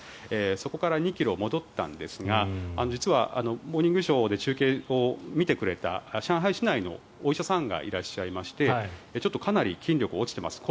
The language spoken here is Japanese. そこから２ｋｇ戻ったんですが実は「モーニングショー」で中継を見てくれた上海市内のお医者さんがいらっしゃいましてちょっとかなり筋力落ちてますと。